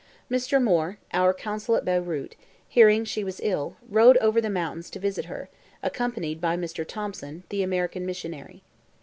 Mr. Moore, our consul at Beyrout, hearing she was ill, rode over the mountains to visit her, accompanied by Mr. Thomson, the American missionary.